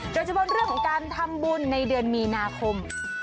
โดยเฉพาะเรื่องของการทำบุญในเดือนมีนาคม